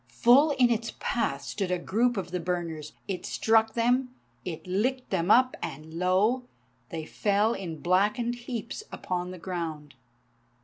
Full in its path stood a group of the burners. It struck them, it licked them up, and lo! they fell in blackened heaps upon the ground.